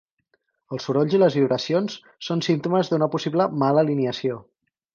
Els sorolls i les vibracions són símptomes d'una possible mala alineació.